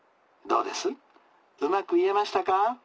うまく言えましたか？